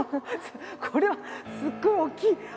これはすっごい大きい！